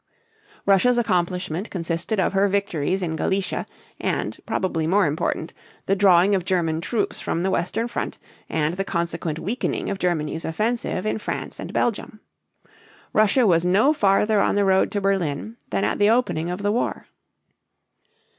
Russia's accomplishment consisted of her victories in Galicia, and, probably more important, the drawing of German troops from the western front and the consequent weakening of Germany's offensive in France and Belgium. Russia was no farther on the road to Berlin than at the opening of the war.